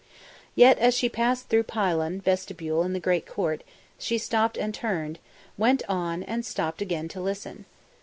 Yet, as she passed through pylon, vestibule and the Great Court, she stopped and turned, went on, and stopped again to listen.